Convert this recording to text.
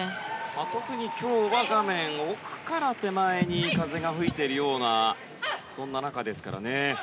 特に今日は画面奥から手前に風が吹いているようなそんな中ですからね。